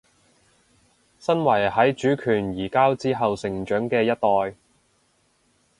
身為喺主權移交之後成長嘅一代